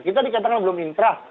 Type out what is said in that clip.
kita dikatakan belum inkraf